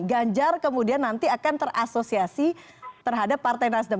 ganjar kemudian nanti akan terasosiasi terhadap partai nasdem